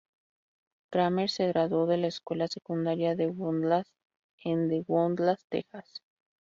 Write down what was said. Kramer se graduó de la Escuela Secundaria The Woodlands en The Woodlands, Texas.